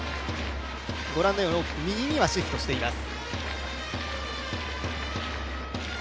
御覧のように大きく右にはシフトしています。